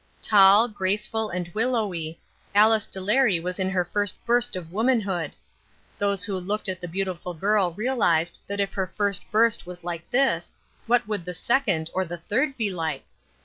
Tall, graceful and willowy, Alice Delary was in her first burst of womanhood. Those who looked at the beautiful girl realized that if her first burst was like this, what would the second, or the third be like?